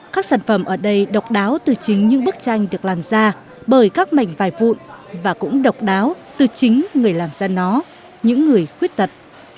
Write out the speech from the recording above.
các sản phẩm ở đây độc đáo từ chính những bức tranh được làm ra bởi các mảnh vài vụn và cũng độc đáo từ chính người làm ra nó những người khuyết tật